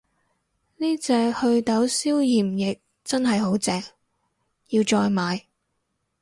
呢隻袪痘消炎液真係好正，要再買